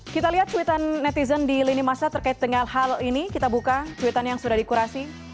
kita lihat cuitan netizen di lini masa terkait dengan hal ini kita buka cuitan yang sudah dikurasi